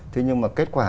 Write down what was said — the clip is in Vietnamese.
thế nhưng mà kết quả